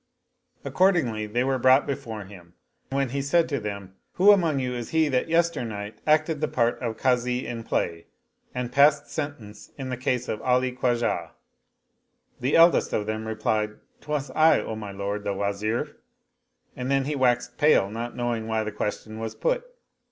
Accord ingly they were brought before him, when he said to them, "WTio among you is he that yesternight acted the part of Kazi in play and passed sentence in the case of Ali IQiwa jah?" The eldest of them replied, "'Twas I, O my lord the Wazir "; and then he waxed pale, not knowing why the question was put.